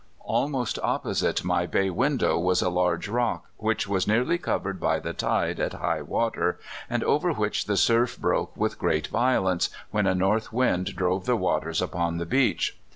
Almost opposite my bay window was a large rock, which was nearly covered by the tide at high water, and over which the surf broke with great violence when a north wind drove the waters upon the beach.